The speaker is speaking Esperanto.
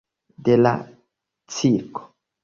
De la cirko.